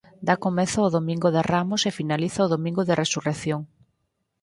Dá comezo o Domingo de Ramos e finaliza o Domingo de Resurrección.